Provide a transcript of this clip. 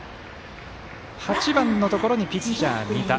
８番のところにピッチャー、仁田。